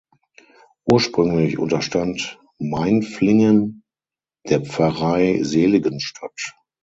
Ursprünglich unterstand Mainflingen der Pfarrei Seligenstadt.